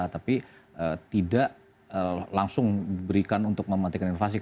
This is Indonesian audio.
tapi tidak langsung berikan untuk mematikan inovasi